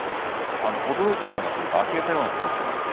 驚いたというかあきれたような顔をしていました。